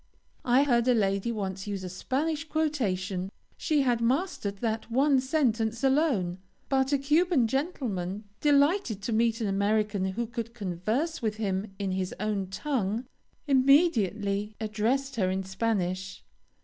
I heard a lady once use a Spanish quotation; she had mastered that one sentence alone; but a Cuban gentleman, delighted to meet an American who could converse with him in his own tongue, immediately addressed her in Spanish.